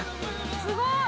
すごい！